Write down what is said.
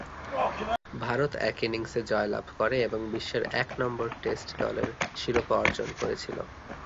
ভারত এক ইনিংসে জয়লাভ করে এবং বিশ্বের এক নম্বর টেস্ট দলের শিরোপা অর্জন করেছিল।